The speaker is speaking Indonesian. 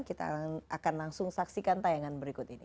kita akan langsung saksikan tayangan berikut ini